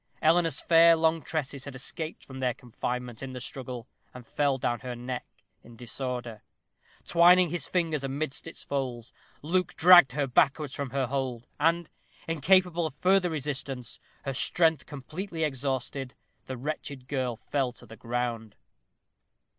Eleanor's fair long tresses had escaped from their confinement in the struggle, and fell down her neck in disorder. Twining his fingers amidst its folds, Luke dragged her backwards from her hold, and, incapable of further resistance, her strength completely exhausted, the wretched girl fell to the ground.